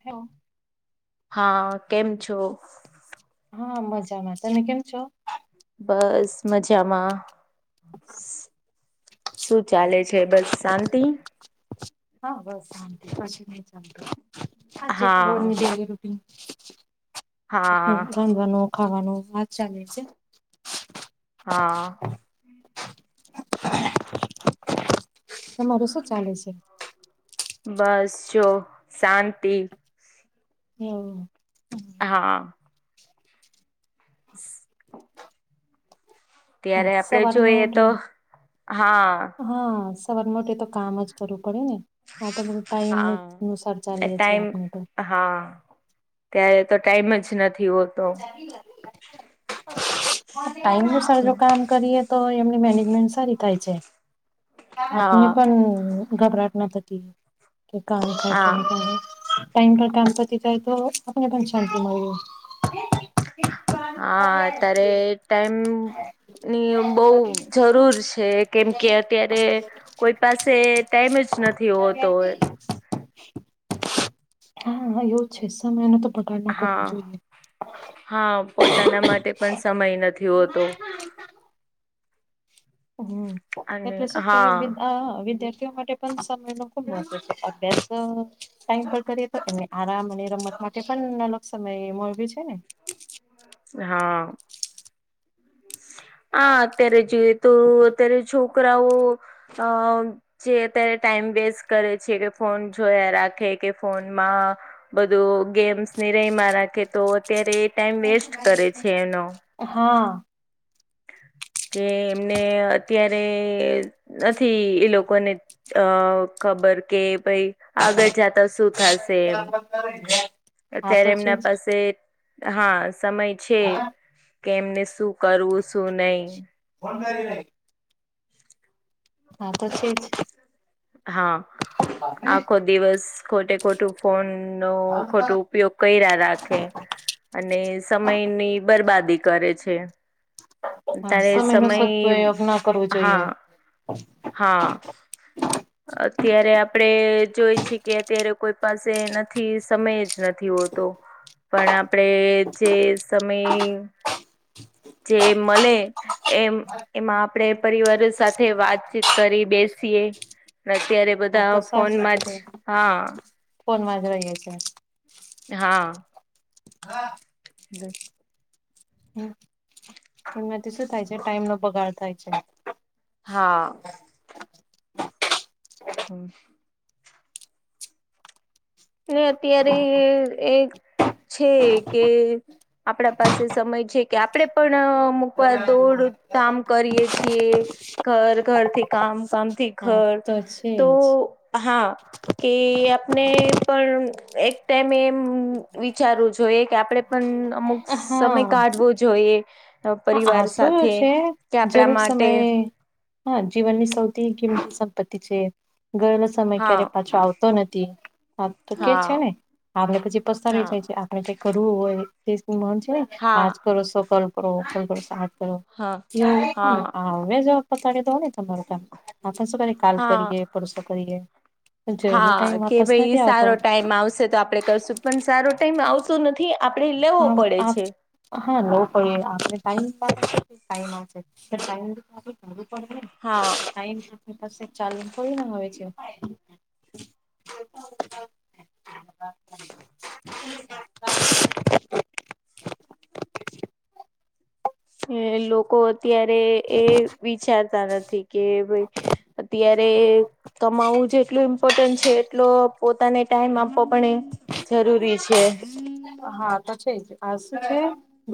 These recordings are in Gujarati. હ... હા કેમ છો. હા મજામાં તમે કેમ છો. બસ મજામાં. શું ચાલે છેલ! બસ શાંતિ હા બસ શાંત પછી નહી ચાલ હા છે. કરો દ રટી હા રાંધવાનું ખાવાનું આ જ ચાલે છે. હા.... તમારે શું ચાલે છે. બસ જો શાંતિ હમ્મ હા [inaudible] હા ત્યારે આપડે સવારમાં જોઈએ ઉઠે તોહ હા હા સવાર મોટે તો કામ જ કરવું પડે ને હા તમેતો તો ટાઈમ હા અનુસાર એ ચાલીએ છે ટાઈમ આપડે તો હા ત્યારે તો ટાઈમ જ નથી હો ટાઈમ અનુસાર જો કામ કરીએ તો એમની મેનેજમેન્ટ સારી થાય છે. આપને હા પણ ગભરાટ ન નથી હા ટાઈમ પર કામ પતિ જાય તો આપને શાંતિ મળી રહે હા હા અતારે ટાઇમની બઉ જરૂર છે કેમ કે, અત્યારે કોઈ પાસે ટાઈમ જ નથી હોતો હોય હા એવું છે સમયનો તો બગાડ ના કરવો હા જોઈએ. હા પોતાના માટે પણ સમય નથી હોતો. હમ્મ અને એટલે શું કે હા [unintelligible] આ વિદ્યાર્થીઓ માટે પણ સમય ખૂબ ઓછો છે. અભ્યાસ પણ ટાઈમ પર કરીએ તો એમને આરામ અને રમત માટે પણ સમયે [unintelligible] છે ને હા આ અત્યારે જોઈએ તો અત્યારે છોકરાઓ અ જે અત્યારે ટાઈમ વેસ્ કરે છે કે ફોન જોયા રાખે કે ફોનમાં બધું ગેમ્સ નેઈ ર‌ઈમાં રાખે તો અત્યારે એ ટાઈમ વેસ્ટ કરે છે એનો હા કે એમને અત્યારે નથી ઈ લોકોને અ ખબર કે ભઈ આગળ જાતા શું થાશે એમ? [inaudible] [unintelligible] તો અત્યારે છે જ. એમના પાસે હા સમય છે. હા કે એમને શું કરવું? શું નહી? [unintelligible] [inaudible] આતો છે જ હા આખો દિવસ ખોટે ખોટું ફોનનો ખોટું હા ઉપયોગ કયરા રાખે અને સમયની બરબાદી કરે છે. હા ત્યારે સમયનો સમય સદપયોગ ના કરવું હા જોઈએ. હા અત્યારે આપડે જોઈ છી કે અત્યારે કોઈ પાસે નથી સમય જ નથી હોતો. પણ આપડે જે સમય જે મલે એમ એમાં આપડે પરિવારો સાથે વાતચીત કરી, બેસીએ પણ અત્યારે હા બધા તો ફોનમાં જ હા. ફોનમા જ રહીએ છીએ. હા [unintelligible] હલો એમનાથી શું થાય છે? ટાઈમનો બગાડ થાય છે. હા હમ્મ ને અત્યારે એક છે કે આપણા પાસે સમય છે કે આપડે પણ અમૂકવાર દોડધામ કરીએ છીએ ઘર ઘરથી કામ કામથી હા ઘર તો છે તો જ હા કે આપને પણ એક ટાઈમે એમ વિચારવું જોઈએ કે આપડે પણ અમુક હા સમય કાઢવો જોઈએ. હા પરિવાર આ શું સાથે છે કે આપણા જરૂર માટે સમયે હા જીવનની સૌથી કિંમતી સંપત્તિ છે ઘર સમય હા ક્યારેય પાછો આવતો નથી. હા તો કે હા છે ને આપને પછી હા પસ્તાવાનુય થાય છે. આપણે કૈંક કરવું હોય તે શું મન છે, હા આજ કરો સો કલ કરો, [unintelligible] કરો છો આજ કરો. હા હા [unintelligible] [inaudible] કાલ હા કરીએ, પરસો કરીએ. જેલો હા, ટાઈમ કે વાપસ ભાઈ નથી આવતો સારો ટાઈમ આવશે, તો આપડે કરશું. પણ સારો ટાઈમ આવતો નથી, આપડે લેવો હા પડે છે. હા લોકોઈ આપણે ટાઈમ [unintelligible] હા [inaudible] સારું પડેને [unintelligible] [inaudible] એ પાસે, ચાલુ થોડી ના હોય છે. [inaudible] [inaudible] [inaudible] લોકો અત્યારે એ વિચારતા નથી કે ભાઈ- -અત્યારે કમાવવું જ છે એટલું એમ- -ઇ્પોર્ટન્ટ છે. એટલો પોતાને ટાઈમ આપવો પણ જરૂરી છે. હા તો છેજ, આ શું છે?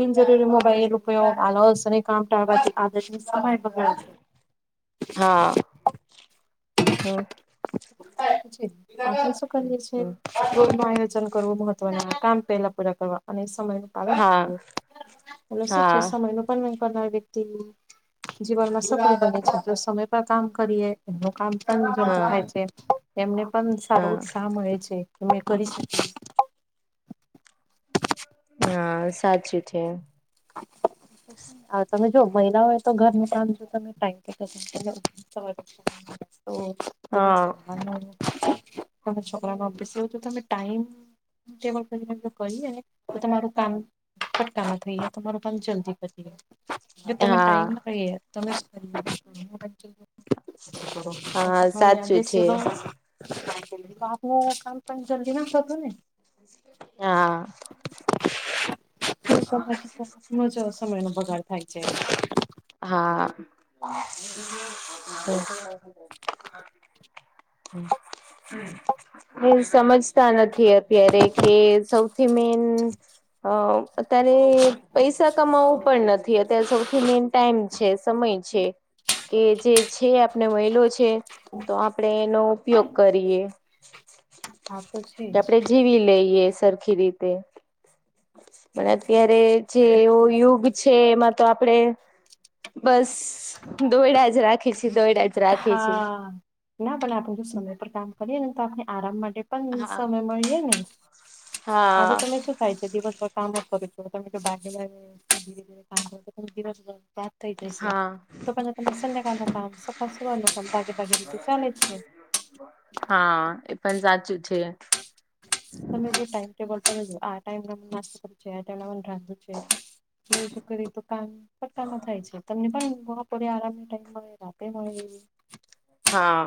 બિનજરૂરી મોબાઈલ ઉપયોગ આલસ ને કામ ટાળવાથી આદર્શની સામય બગાડે છે. [inaudible] હા હો. [inaudible] શું કરીએ છીએ હમ [unintelligible] કરવું મહત્વના કામ પેલા પૂરા કરવા અને હા સમય- હા [unintelligible] કરનાર વ્યક્તિ જીવનમાં [unintelligible] આપ સમય પર કામ કરીએ. [unintelligible] [inaudible] પણ હા ખાય છે. એમને પણ સારો હા ઉત્સાહ મળે છે કે મેં કરી શકી. [inaudible] હા સાચી છે. [inaudible] હ તમે જો મહિલા હોય તો ઘરની [unintelligible] [inaudible] તો ત હા જમવા તમે છોકરા નો ઓફીસ [unintelligible] તમે ટાઈમ- [unintelligible] કરીને તો તમારું કામ ફટકા મા થઈ જાય. તમારો પણ જલ્દી પતી જાય, જો તમે હા ટાઈમ ના રહીએ તમે [unintelligible] [inaudible] [inaudible] હા સાચું છે [inaudible] તો આપનું કામ જલ્દી ના [unintelligible] હા. [inaudible] [unintelligible] સમય નો બગાડ થાય છે. હા. [inaudible] [inaudible] એ સમજતા નથી અત્યારે- - એ સૌથી મેન- હ અત્યારે, પૈસા કમાવવું પણ નથી, અત્યારે સૌથી મેન- -ટાઈમ છે, સમય છે. કે જે છે, આપણે મઈલો છે, તો આપણે એનો ઉપયોગ કરીએ. [inaudible] હા, તો છે કે જ. આપણે જીવી લઈએ, સરખી રીતે- પણ અત્યારે જે એવો યુગ છે, એમાં તો આપડે- બસ. દોઈડા જ રાખે છે, દોઈડા જ- રાખી છી હા, ના પણ આપણે જો સમય પર કામ કરીએ ને, તો આપણે આરામ માટે- - પણ હા સમય મળીએે ને. હા તો તને શું થાય છે દિવસ- કામ કરું છું તમે કે બાઢ [unintelligible] ધીરે ધીરે કામ કરો. [unintelligible] થઈ જશે હા તો પણ તમે સંધ્યાકાળમાં [unintelligible] સ્વરનુ કામ ભાગે ભાગે રીતે ચાલે છે. હા, એ પણ સાચું છે. તમે જે ટાઈમટેબલ [unintelligible] આ ટાઈમ હમણાં શું છે ટાઈમ [unintelligible] રાંધું છે એવી રીતે કરે તો કામ ફટાફટ થાય છે, તમને પણ બોપરે આરામ નું ટાઈમ મળ, રાતે મળે. હા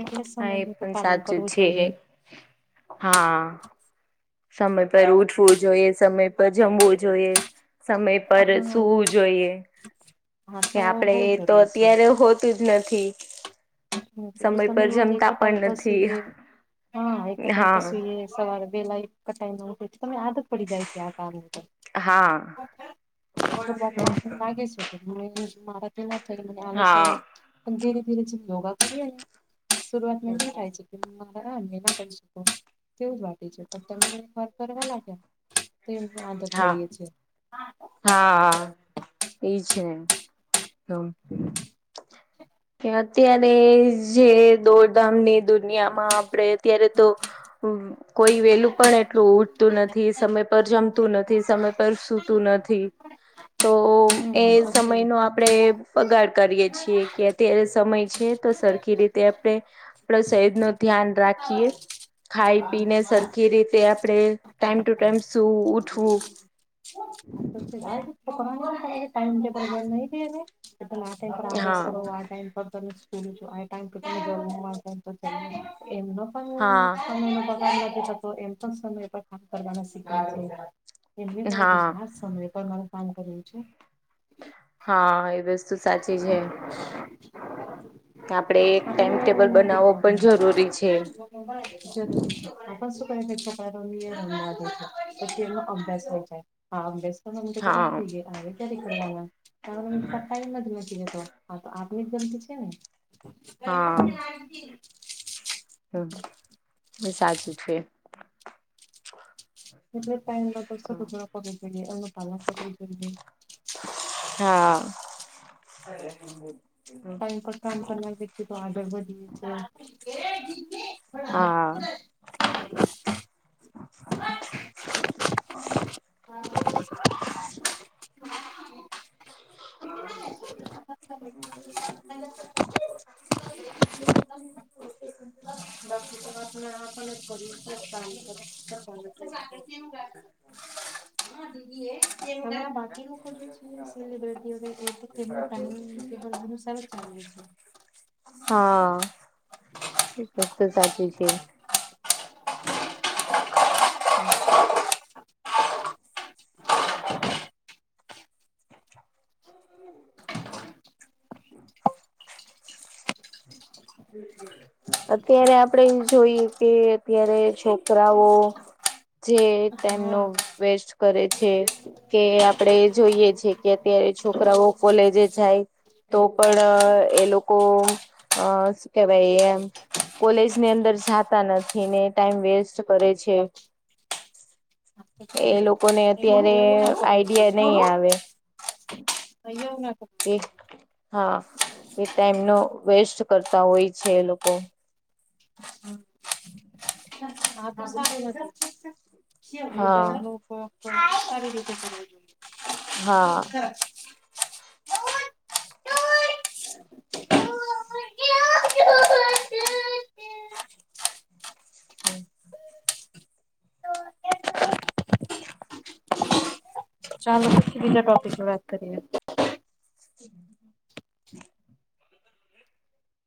એટલે હા, એ સમયનું તો પણ પાલન સાચું કરવું છે જોઈએ હા. સમય પર ઉઠવું જોઈએ, સમય પર જમવું જોઈએ સમય પર હા સુુંવુ જોઈએ હા કે તો આપળે બહુ તો જરૂરી છે અત્યારે હોતું જ નથી. હું [unintelligible] સમય તમે પર રોજ એક જમતા જ ટાઈમ પણ પર સુંએ નથી હા, એક ટાઈમ પર હા સુંએ સવારે વેલા એકચ ટાઈમ માં ઉઠીએ તો તમને આદત પડી જાય છે, આ કામ ની તો હા શું વાત લા લાગે છે. એક [unintelligible] આમ આળા તેળા થઈને આલસ આવે, હા પણ ધીરે ધીરે જેમ યોગા કરીએ ને શુરવાતમાં [unintelligible] છે [unintelligible] કેવું લાગે છે, તમ તમે એક વાર કરવા લાગો તો એમ આદત કરીએ છે હા, હા ઈજ ને. લમ. કે અત્યારે જે દોડધામની દુનિયામાં આપળે અત્યારે તો હમ્મ. કોઈ વેલું પણ એટલું ઉઠતું નથી, સમય પર જમતું નથી, સમય પર સુતું નથી તોઓમ એ હમ તો છે. સમયનો આપ ળે બગાળ કરીએ છીએ કે અત્યારે સમય છે, તો ટાઈમ સરખી રીતે આપળે આપળો શેહેદનો ધ્યાન રાખીએ ખાઈ પીને સરખી રીતે આપળે ટાઈમ ટુ ટાઈમ સૂવું, ઉઠવું. તો [unintelligible] ટાઈમટેબલ બનઈ દિએ ને કે તમે આ ટાઈમ પર આ અભ્યાસ હા કરો, આ ટાઈમ પર તમે સુ [unintelligible] [unintelligible] એમ હા પણ સમય પર કામ કરવાણો સિખાવે હા [unintelligible] સમય પર મારું કામ કરવું છે. હા, એ વસ્તુ સાચી છે. [inaudible] આપળે એક આપણે એવું ટાઈમટેબલ બનાવો પણ નથી જરૂરી છે. જરૂરી છે, આપન શું કરે કે છોકરા રમિએ [unintelligible] પછી એનો અભ્યાસ થૈય જાય હા, અભ્યાસ [unintelligible] તો રાત હા થઈ ગય આવે. [unintelligible] ટાઈમ જ નથી રેતો, આ તો આપણની જ ગલતી છે ને. હા [unintelligible] હમ એ સાચું છે. એટલે જ ટાઈમ પર [unintelligible] જોઈએ [unintelligible] જોઈએ. હા. ટાઈમ પર કામ કરનાર વ્યક્તિ તો આગળ વધીએ છે. હા. [inaudible] [unintelligible] બાકી તો વાતને [unintelligible] [unintelligible] [unintelligible] હા એ [unintelligible] સાચી છે. [inaudible] [inaudible] [unintelligible] અત્યારે આપડે જોઈએ કે અત્યારે છોકરાઓ જે હા ટાઈમનો વેસ્ટ કરે છે. કે આપડે જોઈએ છે કે અત્યારે છોકરાઓ કોલેજે જાઈ તો પણ એ લોકો અ શું કેવાય એમ કોલેજની અંદર જાતા નથી ને ટાઈમ વેસ્ટ કરે છે. આ તો એ છે લોકોને એવું અત્યારે એવું ના કરવું આઈડિયા જોઈએ એવું નઈ આવે [unintelligible] કે હા એ ટાઈમનો વેસ્ટ કરતા હોય છે એ લોકો હમ્મ [inaudible] [unintelligible] [unintelligible] હા સારી રીતે [unintelligible] હા હમ્મ [unintelligible] ટોપિક વાત કરીએ [inaudible]